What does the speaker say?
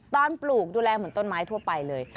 ปลูกดูแลเหมือนต้นไม้ทั่วไปเลย